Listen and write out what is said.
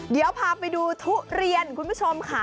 เดี๋ยวพาไปดูทุเรียนคุณผู้ชมค่ะ